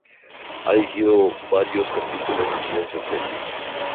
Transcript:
Ha dirigido varios capítulos de diversas series.